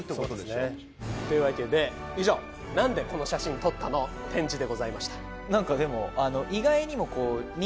というわけで以上「なんでこの写真撮ったの？」展示でございました。